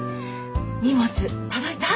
荷物届いた？